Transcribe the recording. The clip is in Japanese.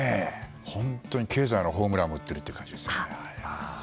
本当に経済のホームランを打ってるって感じですね。